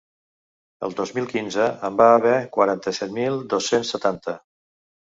El dos mil quinze en va haver quaranta-set mil dos-cents setanta.